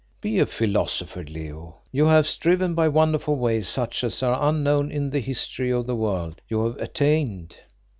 Be a philosopher, Leo. You have striven by wonderful ways such as are unknown in the history of the world; you have attained.